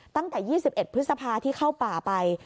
ตั้งแต่๒๑พฤษภาที่เข้าป่าไป